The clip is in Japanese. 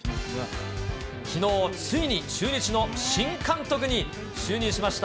きのう、ついに中日の新監督に就任しました